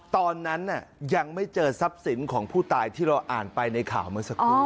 ตอนนั้นยังไม่เจอทรัพย์สินของผู้ตายที่เราอ่านไปในข่าวเมื่อสักครู่